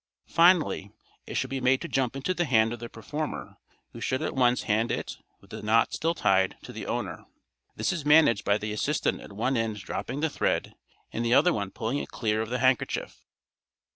Finally, it should be made to jump into the hand of the performer, who should at once hand it, with the knots still tied, to the owner. This is managed by the assistant at one end dropping the thread and the other one pulling it clear of the handkerchief.